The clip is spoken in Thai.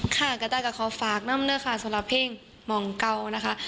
ค่ะกระต่ายก็ขอฝากน้ำเนื้อค่ะสำหรับเพลงมองเกานะคะ